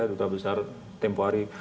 duta besar tempohari